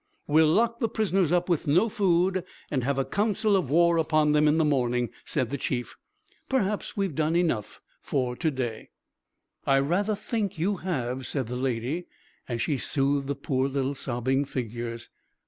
"We'll lock the prisoners up with no food and have a council of war upon them in the morning," said the Chief. "Perhaps we've done enough to day." "I rather think you have," said the Lady, as she soothed the poor little sobbing figures.